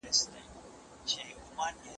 زه مخکي قلم استعمالوم کړی و؟